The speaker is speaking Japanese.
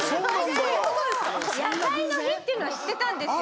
野菜の日っていうのは知ってたんですよ。